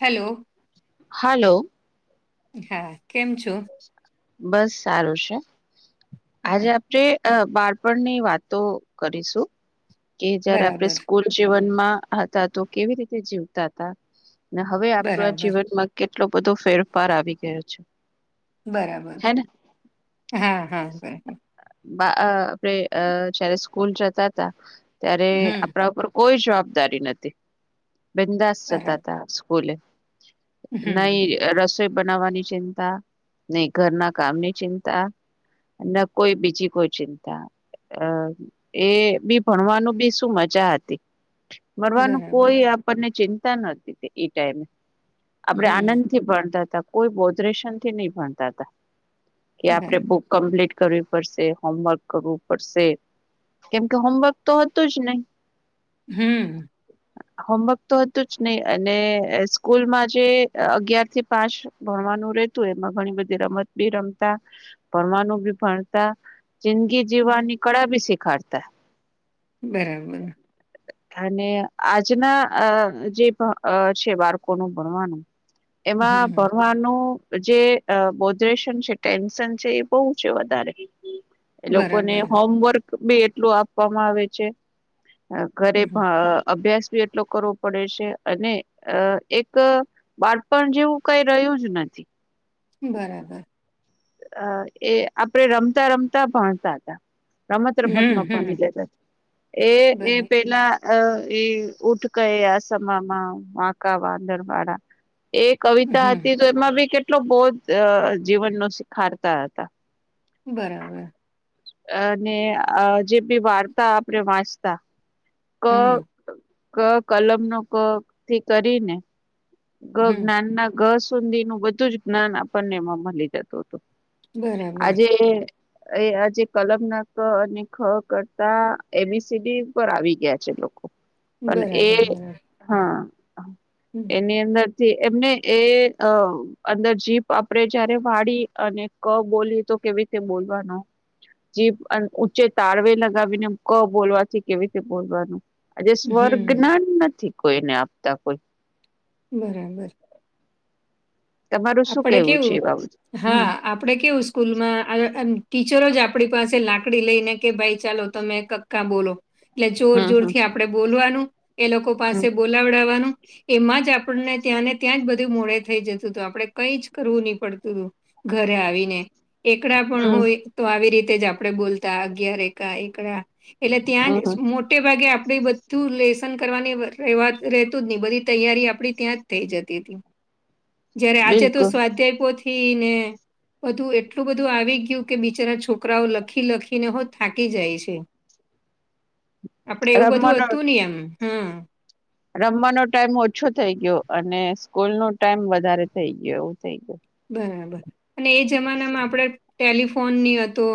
Hello. Hello. હા. કેમ છો? બસ સારું સે. આજે હા, આપણે અહ બાળપણની વાતો કરીશું. કે જયારે આપણે બરાબર સ્કૂલ જીવનમાં હતા, તો કેવી રીતે જીવતા તા. ને હવે આપણા બરાબર જીવનમાં કેટલો બધો ફેરફાર આવી ગયો છે. બરાબર. હે ને હા, હા બરાબર. બા અહ આપણે જયારે સ્કૂલ જતા હતા, ત્યારે હમ આપણા ઉપર કોઈ જવાબદારી નહોતી. બિંદાસ બરાબર જતા હતા સ્કૂલે. હમ નહીં રસોઈ બનાવવાની ચિંતા, નહીં ઘરના કામની ચિંતા. ન કોઈ બીજી કોઈ ચિંતા. અહ એ બી ભણવાનું બી શું મજા હતી. મળવાનું બરાબર કોઈ એ આપણને ચિંતા નતી કે ઈ ટાઈમે. આપણેે હમ આનંદ થી ભણતા તા, કોઈ બોધરેેશનથી નહીં ભણતા તા. કે આપણે બરા બુક કમ્પ્લીટ કરવી પડશે, હોમવર્ક કરવું પડશે. કેમ કે હોમવર્ક તો હતું જ નહીં. હમ્મ. હોમવર્ક તો હતું જ નહી અને સ્કૂલમાં જે અગિયાર થી પાંચ ભણવાનું રેહતું એમાં ઘણી બધી રમત બી રમતા ભણવાનું બી ભણતા જિંદગી જીવાની કળા બી શીખાડસે. બરાબર. અને આજના અહ જે છે અહ બાળકોનું ભણવાનું એમાં હમ ભણવાનું જે અહ બોધરેેશન છે ટેન્શન છે એ બહુ છે વધારે. એ લોકોને બરાબર હોમવર્ક બી એટલું આપવામાં આવે છે અહ ઘરે ભ હમ અભ્યાસ બી એટ લો કરવો પડે છે અને અહ એક અહ બાળપણ જેવું કઈ રહ્યું જ નથી. બરાબર. અહ એ આપડે રમતા રમતા ભણતા હતા. રમત હમ રમતમાં ભણી હમ લેતા એ એ બરા પેલા અહ એ ઉઠ કયા સમા માં વાંકા વાદળ વાળા એક કવિતા હમ હતી તો એમાં બી કેટલો બૌધ અહ જીવનનો શીખાડતા હતા. બરાબર. અને અહ જે બી વાર્તા આપણે વાંચતા ક હમ ક કલમ નો ક થી કરી ને ગ હમ જ્ઞાનના ગ સુધી નું બધું જ જ્ઞાન આપણને એમાં મલી જતું હતું. બરાબર આજે એ આજે કલમના ક અને ખ કરતા એ બી સી ડી ઉપર આવી ગયા છે લોક પણ બરાબર એ બરાબર હા હમ ની અંદરથી એમને એ અહ અંદર જીભ આપણેે જયારે વાળી અને ક બોલીએ તો કેવી રીતે બોલવાનો જીભ અને ઊચે તાળવે લગાવીને ક બોલવાથી કેવી રીતે બોલવાનું. આજે હમ, સ્વર્ગના ગ્યાન નથી કોઈને આપતા કોઈ. બરાબર. તમારું શું આપડે છે કેવું એ બાબત હમ હા. આપડે કેવું સ્કૂલમાં અહ આમ ટીચરો જ આપડી પાસે લાકડી લઈને કે ભાઈ તમે કક્ કા બોલો એટલે જોર હમ જોર હમ થી આપડે બોલવાનું એ લોકો પાસે બોલાવડાવાનું એમાં જ આપણને ત્યાંને ત્યાં જ બધું મોડે થઈ જતું હતું આપડે કઈ જ કરવું નહી પડતું તું ઘરે આવીને એકડા પણ હમ હોય તો આવી રીતે જ આપડે બોલતા અગયાર એકા એકડા એટલે ત્યાં હમ હમ જ મો તે ભાગે આપડી બધુ લેસન કરવાની રહેવાત રહેતુજ નહી બધી તૈયારી આપડી ત્યાંજ થઈ જતી હતી. જયારે આજે તો બિલકુલ સ્વાધ્યાયપોથી ને બધું એટલું બધું આવી ગયું કે બિચારા છોકરાઓ લખી લખીને હો થાકી જાય છે. આપડે એવુ બધુ રમવાનો હતુ ની એમ હમ્મ. રમવાનો ટાઈમ ઓછો થઇ ગયો અને સ્કૂલ નો ટાઈમ વધારે થઇ ગયો એવું થઈ ગયુ. બરાબર અને એ જમાનામાં આપડે ટેલિફોન ની હતો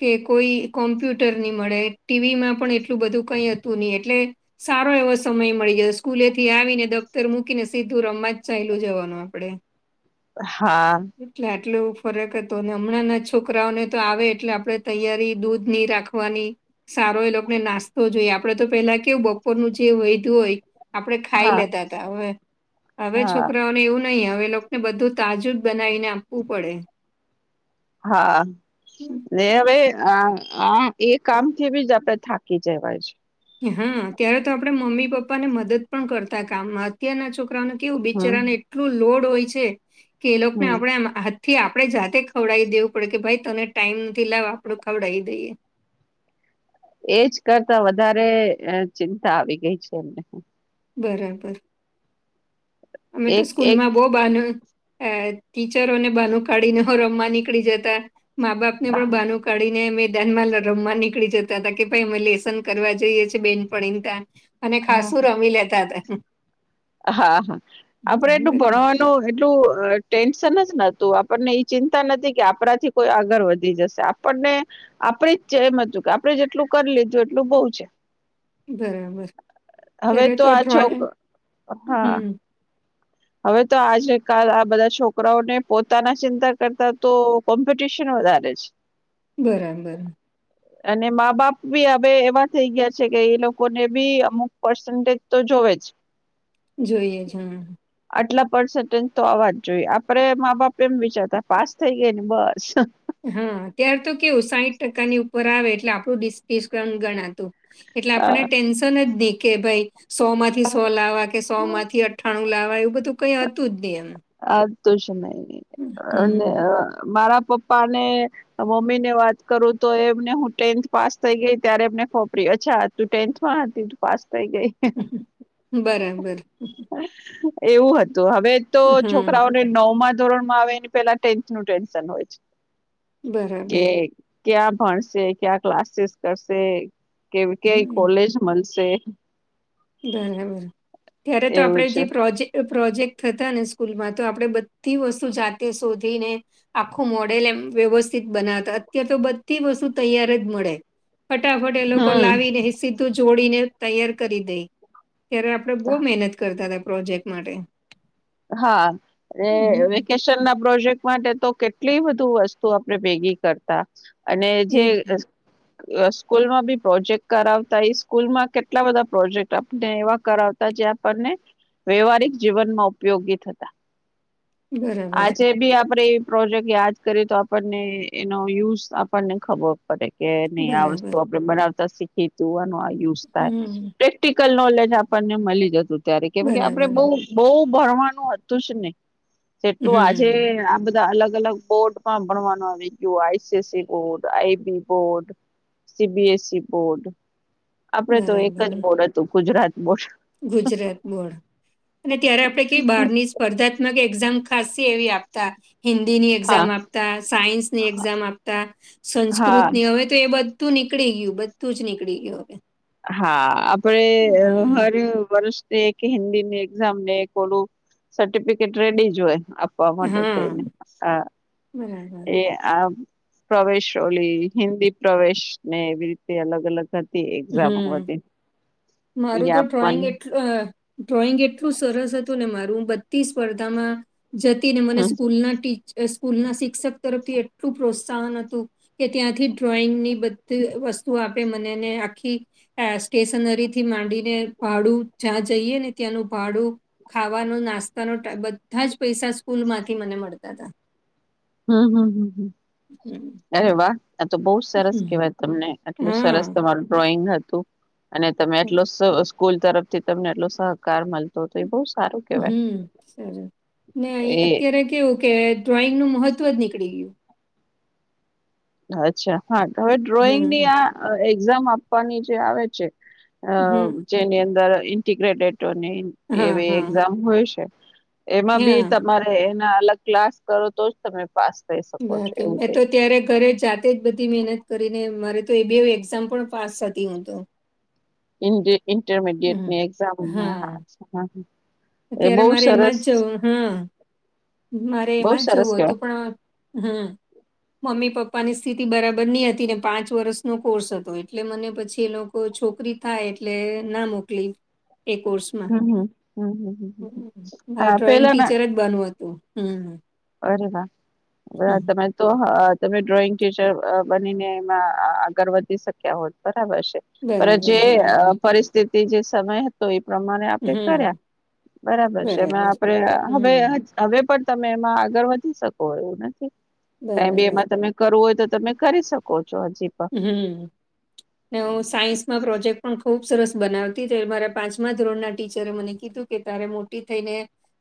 કે કોઈ કોમ્પ્યુટર નહી મળે ટી વી માં પણ એટલું બધું કઈ હતું નહી એટલે સારો એવો સમય મળી જાય સ્કૂલે થી આવીને દફ્તર મૂકીને સીધું રમવા જ ચાલી જવાનુ આપડે. હા. એટલે આટલો એવુ ફરક હતો, અને હમણાં ના છોકરાઓને તો આવે, એટલે આપડે તૈયારી દૂધ ની રાખવા. વાની સારો એલોકોને નાસ્તો જોઈએ, આપડે તો પેલા કેવું બપોરનુ જે વયધુ હોય. આપણે ખાઈ હા લેતા હતા, હવે હવે હા છોકરાઓને એવુ નહી હવે બધું. તાજુ બનાવીને આપવુ પડે. હા. ને હવે એ કામથીજ આપડે થાકી જવાય છે. હા, ત્યારે તો આપણે મમ્મી પાપાને મદદ પણ કરતા, કામમાં અત્યારના છોકરા. કેવું હમ બિચરાને એટલું લોડ હોય છે કે, એ લોકોને હમ. આપણે થી આપડે જાતે ખવડાવી દેવું પડે કે, ભાઈ તને ટાઈમ નથી લાવું, આપડું ખવડાવી દઈએ. એ જ કરતા વધારે ચિંતા આવી ગઈ છે એમને. બરાબર, અમે તો એક એક સ્કૂલમાં બહુ બાનું ટીચરોને બાનું કાઢીને, હો રમવા નીકળી જતા. મા-બાપ ને પણ બાનું કાઢીને અ મેદાનમાં રમવા નીકળી જતા હતા કે, ભાઈ અમે લેસન કરવા જઈએ છીએ, બેનપણીતા. અને ખાસું રમી લેતા હતા. હા, હા આપડે એટલું બર- ભણવાનું. તો એટલું ટેન્શન જ નતું, આપણને ચિંતા નથી કે, આપણાથી કોઈ આગળ વધી જશે. પણને આપણે જ જે એમ હતું કે, આપણે જેટલું કરી લીધું, એટલું બઉ છે. બરાબર. હવે તો આ છોક હા. હમ હવે તો આજે કાલે, આ બધા છોકરાઓને પોતાના ચિંતા કરતા તો કોમ્પિટિશન વધારે છે. [unintelligible] બરાબર. હ. અને મા-બાપ બી હવે એવા થઈ ગયા છે કે, એ લોકોને બી અમુક પર્સન્ટેજ તો જોવે જ. જોયે જ હા. આટલા પર્સન્ટેજ તો આવવાજ જોઈએ, આપડે મા-બાપ એમ વિચારતા પાસ થઈ ગયા ને બસ. હા, ત્યાર તો કેવું સાહીઠ ટકાની ઉપર આવે, એટલે આપણું ડિસ્કાઉન્ટ ગણાતું. એટલે આપણે ટેન્શનજનની કે ભાઈ. સો માંથી સો લાવવા કે, સો માંથી અઠ્ઠાણું લાવવા, એવું બધું કઈ હતું જ નહી એમ. આ તું સમય અને હમ્મ. મારા પપ્પા ને. મમ્મી ને વાત કરું તો, એમને હું ટેન્થ પાસ થઈ ગઈ, ત્યારે એમને ખબર પરી અચ્છા. તું ટેન્થ માં હતી, તું પાસ થઈ ગઈ. બરાબર. એવું હતું, હવે તો હમ્મ, છોકરાઓ નવમાં ધોરણમાં આવે, એ પેલાજ ટેન્શન હોય છે. બરાબર. ક્યા ભણશે? ક્યાં ક્લાસીસ કરશે? કઈ હમ્મ, કોલેજ મળશે? બરાબર, ત્યારે તો આપણે એવું જે છે પ્રોજેક પ્રોજેક્ટ થતા ને, સ્કૂલમાં તો આપણેે બધી વસ્તુ જાતે શોધીને આખું મોડેલ એમ વ્યવસ્થિત બનાવતા, અત્યારે તો બધી વસ્તુ તૈયાર જ મળે. ફટાફટ એ લોકો હમ લાવીને, સીધું જોડીને તૈયાર કરી દે. ત્યારે આપડે બહુ મહેનત કરતા હતા, પ્રોજેક્ટ માટે. હા હમ [unintelligible] પ્રોજેક્ટ માટે તો કેટલી બધું વસ્તુ આપડે ભેગી કરતા અને જે એજ અ સ્કૂલમાં બી પ્રોજેક્ટ કરાવતા એ સ્કૂલમાં કેટલા બધા પ્રોજેક્ટ આપને એવા કરાવ તા જે આપણને વ્યવહારિક જીવનમાં ઉપ યોગી થતા. બરાબર આજે બી આપણેે પ્રોજેક્ટ યાદ કરીએ તો આપણને એનો યુઝ આપણને ખબર પડે. કે નહી આ વસ્તુ બરાબર આપણે બનાવતા શીખી તું આનો આ યુઝ થાય. હમ પ્રેક્ટિકલ નોલેજ આપણને મળી જતું ત્યારે કેમ કે આપણે બરાબર બહુ બહુ ભણવાનું હતું જ નહીં. જેટલું આજે હમ આ બધા અલગ-અલગ બોર્ડમાં ભણવાનું આવી ગયું. ICC board, IB board. CBSE board. આપડે તો એક જ બરાબર બોર્ડ હતું ગુજરાત બોર્ડ. ગુજરાત બોર્ડ. અને ત્યારે આપણે કઈ બારની જ સ્પર્ધાત્મક એક્ઝામ ખાસી એવી આપતા. હિન્દીની હા એક્ઝામ આપતા, સાયન્સની એક્ઝામ આપતા, હા સંસ્કૃતની હવે તો એ બધું નીકળી ગયું. બધું જ નીકળી ગયું હવે. હા આપણે હર વર્ષ એક હિન્દીની એક્ઝામને એક ઓલું સર્ટિફિકેટ રેડી જ હોય. હમ [unintelligible] હા હા બરાબર. આ પ્રવેશ ઓલી હિન્દી પ્રવેશને એવી રીતે અલગ અલગ હત તે એક્ઝામો હમ હતી. એ મારું તો ડ્રોઈંગ આપવાની એટલું અ ડ્રોઈંગ એટલું સરસ હતું ને મારું હું બધી સ્પર્ધામાં જતી ને મને હમ સ્કૂલના ટી સ્કૂલના શિક્ષક તરફથી એટલું પ્રોત્સાહન હતું. કે ત્યાંથી ડ્રોઈંગની બધી વસ્તુ આપે મને ને આ ખી આ સ્ટેશનરીથી માંડીને ભાડું જ્યાં જઈએ ને ત્યાંનું ભાડું ખાવાનો નાસ્તાનો બધા જ પૈસા સ્કૂલમાંથી મને મળતા હતા. હમ્મ હમ્મ હમ્મ હમ્મ. હમ્મ. અરે વાહ! આ તો બહુ સરસ કેવાય તમને આટલું હા સરસ તમારું ડ્રોઈંગ હતું. અને તમે એટલો સ સ્કૂલ તરફથી તમને એટલો સહકાર મલ હમ્મ સરસ ને એ અત્યારે કેવું કે ડ્રોઈંગનું મહત્વ જ નીકળી ગયું. અચ્છા હા. હવે ડ્રોઈંગની હમ, આ એક્ઝામ આપવાની જે આવે છે. અ હમ. જેની અંદર ઇન્ટીગ્રેટેટ હા, એવી હા. એક્ઝામ હોય છે. એમાં બી હા, તમારે એના અલગ ક્લાસ કરો તો જ તમે પાસ થઈ શકો વા છો કેમ એવું એ તો ત્યારે ઘરે જા તેજ બધી મહેનત કરીને મારે તો એ બી એક્ઝામ પણ પાસ થતી હું તો. હમ. ઇન્ટરમીડિયેટની એક્ઝામ ને [inaudible] અત્યારે મારે એમાં જ જવું હા મારે બહુ એમાં જ સરસ જવું હતું કેવાય પણ હમ્મ. મમ્મી પપ્પાની સ્થિતિ બરાબર ની હતી ને પાંચ વર્ષનો કોર્સ હતો એટલે મને પછી એ લોક કો છોકરી થાય એટલે ના મોકલી. એ કોર્સમાં હમ્મ હમ્મ હમ્મ. મારે ડ્રોઈંગ ટીચર જ બનવું હતું. હમ અરે વાહ! વાહ! હમ. તમે તો તમે ડ્રોઈંગ ટીચર બનીને એમાં આગળ વધી શક્યા હોત બરાબર છે. પણ જે બરાબર. પરિસ્થિતિ જે સમય તો એ પ્રમાણે હમ, આપડે હમ. કર્યા બરાબર છે ને આપડે હવે હવે પણ તમે એમાં આગળ વધી શકો એવું નથી કઈ બી બરાબર. એમાં તમે કરવું હોય તો તમે કરી શકો છો હજીપણ હમ ને હું સાયન્સમાં પ્રોજેક્ટ પણ ખુબ સરસ બનાવતી તો એ મારા પાંચમા ધોરણના ટીચરે મને કીધું કે તારે મોટી થઈ ને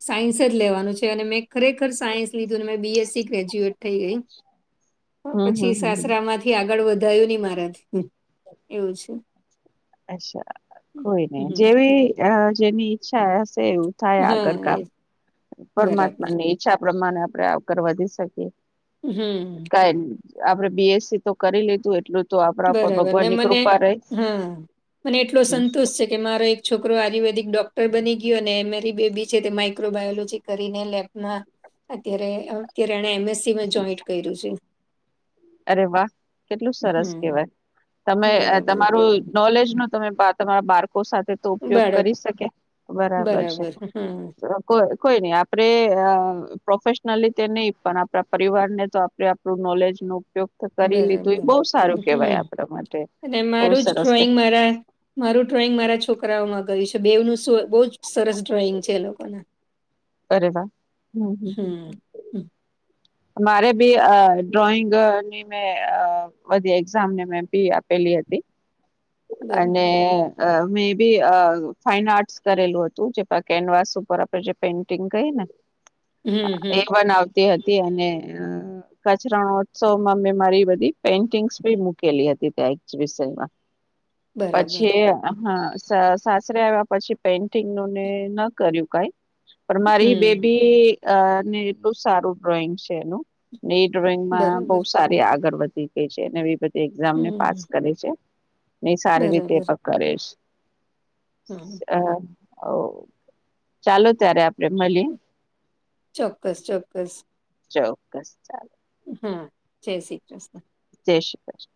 સાયન્સ જ લેવાનું છે અને મેં ખરેખર સાયન્સ લીધું ને મેં બીએસસી ગ્રેજ્યુએટ થઈ ગઈ. હ [unintelligible] પછી સાસરામાંથી આગળ વધાયું નહી મારાથી એવું છે. અચ્છા કોઈ નહી હમ્મ. જેવી અ જેની ઈચ્છા હશે એવું થાય હા, આગળ એ કામ બરાબર. પરમાત્મા ની ઈચ્છા પ્રમાણે આપણે આવકર વધી શકીએ. હમ કઈ નહી આપડે બીએસસી તો કરી લીધું એટલું તો આપણા ઉપર ભગવાન ની કૃપા રહી હમ મને એટલો સંતોષ છે કે મારો એક છોકરો આયુર્વેદિક ડોક્ટર બની ગયો અને એમેરી બેબી છે તે માઈક્રો બાયોલોજી કરીને લેબમાં અત્યારે અત્યારે એણે એમએસસી મા જોઈન્ટ કર્યું છે. અરે વાહ કેટલું સરસ હમ કેવાય તમે એ બરાબર તમારી નોલેજ નું તમે બા તમારા બાળકો સાથે તો ઉપયોગ બાળક કરી શકે બરાબર છે. કોઈ કોઈ નઈ આપડે અ પ્રોફેશનલી તે નહી પણ આપણા પરિવાર ને તો આપે આપણું નોલેજ નો ઉપયોગ તો કરી લીધું એ બરાબર બહુ સારું કેવાય હમ આપણા માટે અને બઉ મારું જ સરસ કેય ડ્રોઈંગ મારા મારું ડ્રોઈંગ મારા છોકરાઓમાં ગયું છે બેવનું શું બહુ જ સરસ ડ્રોઈંગ છે એ લોકોના અરે વાહ હમ હમ હ હમ, મારે બી અ ડ્રોઈંગની મેં અ બધી એક્ઝામ ને મેં ભી આપેલી હતી અને બરાબર અ મે બી અ ફાઈન આર્ટસ કરેલું હતું જે પ કેનવાસ ઉપર આપણે જે પેઇન્ટિંગ કઈ ને હમ હમ એક વન આવતી હતી અને કચ્છ રણોત્સવમાં મેં મારી બધી પેઇન્ટિંગ્સ ભી મુકેલી હતી ત્યાં એક્ઝિબિશનમાં બરાબર પછી એ અહ સાસરે આવ્યા પછી પેઇન્ટિંગ નુંને ન કર્યું કઈ પણ મારી હમ બેબી એ ને એટલું સારું ડ્રોઈંગ છે એનું એ ડ્રોઈંગ માં બહુ બરાબર સારી તે આગળ વધી ગઈ છે ને એ બધી એક્ઝામને હમ કરે છે. નહી સારી રીતે એ પણ કરેશ હમ અ ઓ ચાલો ત્યારે આપડે મલે ચોક્કસ ચોક્કસ ચોક્કસ ચાલ હમ જય શ્રી કૃષ્ણ જય શ્રી કૃષ્ણ